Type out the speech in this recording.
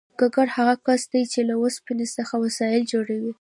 ګګر هغه کس دی چې له اوسپنې څخه وسایل جوړوي